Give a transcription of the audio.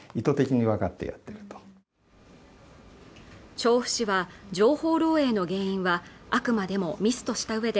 調布市は情報漏えいの原因はあくまでもミスとしたうえで